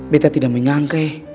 betta tidak mau nyangkeh